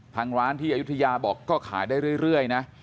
ทางร้านที่อายุทยาบอกก็ขายได้เรื่อยนะ